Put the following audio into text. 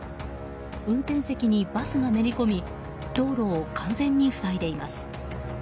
運転席にバスがめり込み道路を完全に塞いでいます。